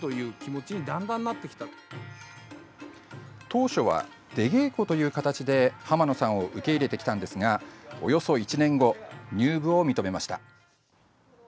当初は出稽古という形で濱野さんを受け入れてきましたがおよそ１年後、入部を認めました。